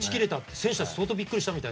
選手たち相当びっくりしたみたい。